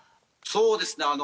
そうですね。